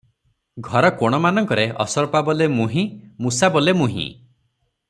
ଘର କୋଣମାନଙ୍କରେ ଅସରପା ବୋଲେ -ମୁହିଁ, ମୂଷା ବୋଲେ- ମୁହିଁ ।